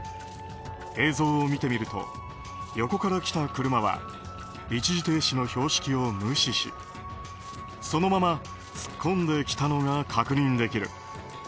映像を見てみると横から来た車は一時停止の標識を無視しそのまま突っ込んできたのが確認できる。